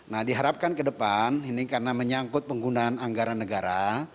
nah diharapkan ke depan ini karena menyangkut penggunaan anggaran negara